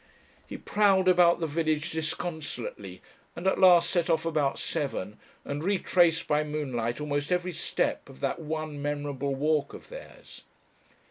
He prowled about the village disconsolately, and at last set off about seven and retraced by moonlight almost every step of that one memorable walk of theirs.